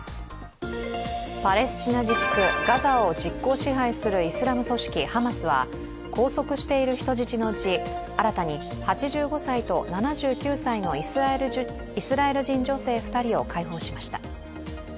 パレスチナ自治区ガザを実効支配するイスラム組織ハマスは拘束している人質のうち新たに８５歳と７９歳のイスラエル人女性２人を解放しました。